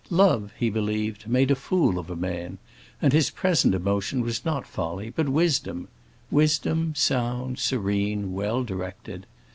Love, he believed, made a fool of a man, and his present emotion was not folly but wisdom; wisdom sound, serene, well directed.